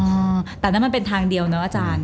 อ่าแต่นั่นมันเป็นทางเดียวเนอะอาจารย์